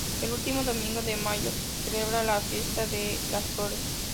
El último domingo de mayo celebra la "Fiesta de las Flores".